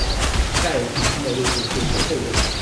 在场上的位置是左后卫。